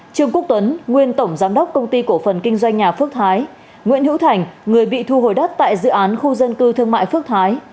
trương quốc tuấn nguyên tổng giám đốc công ty cổ phần kinh doanh nhà phước thái nguyễn hữu thành người bị thu hồi đất tại dự án khu dân cư thương mại phước thái